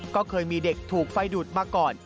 ก็เคยมีเด็กถูกไฟดูดมาก่อน